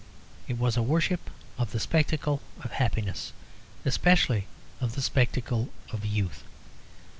It was a worship of the spectacle of happiness; especially of the spectacle of youth.